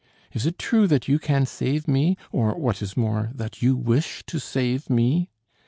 Is it true that you can save me, or, what is more, that you wish to save me?"